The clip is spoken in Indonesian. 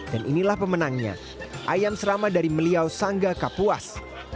dan inilah pemenangnya ayam serama dari meliau sangga kapuas